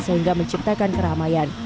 dan juga menyebabkan kekerasan